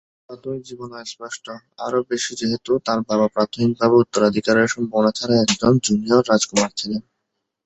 তার প্রাথমিক জীবন অস্পষ্ট, আরও বেশি যেহেতু তার বাবা প্রাথমিকভাবে উত্তরাধিকারের সম্ভাবনা ছাড়াই একজন জুনিয়র রাজকুমার ছিলেন।